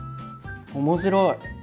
面白い！